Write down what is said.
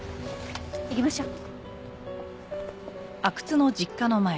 行きましょう。